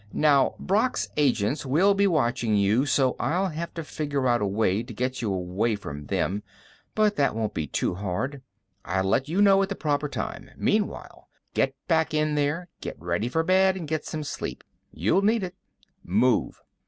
Now, Brock's agents will be watching you, so I'll have to figure out a way to get you away from them, but that won't be too hard. I'll let you know at the proper time. Meanwhile, get back in there, get ready for bed, and get some sleep. You'll need it. Move."